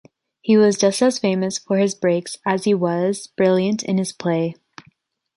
He was just as famous for his breaks as he was brilliant in his play.